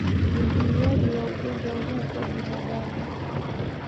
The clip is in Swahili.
Uzuiaji wa ugonjwa huu kwa binadamu